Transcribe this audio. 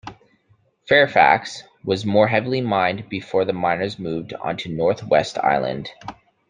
Fairfax was more heavily mined before the miners moved onto North West Island.